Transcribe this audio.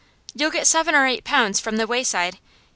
'You'll get seven or eight pounds from The Wayside.